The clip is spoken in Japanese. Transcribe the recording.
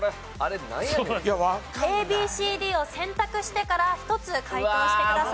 ＡＢＣＤを選択してから１つ解答してください。